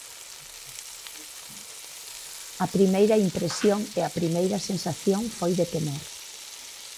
A primeira impresión e a primeira sensación foi de temor.